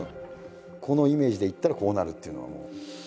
このイメージでいったらこうなるっていうのは。